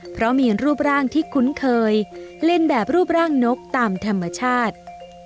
เพราะมีรูปร่างที่คุ้นเคยเล่นแบบรูปร่างนกตามธรรมชาติ